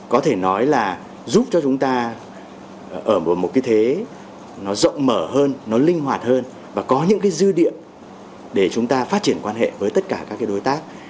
có thể nói là giúp cho chúng ta ở một thế rộng mở hơn linh hoạt hơn và có những dư điện để chúng ta phát triển quan hệ với tất cả các đối tác